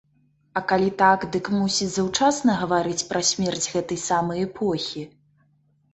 А калі так, дык, мусіць, заўчасна гаварыць пра смерць гэтай самай эпохі?